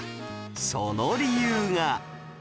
その理由が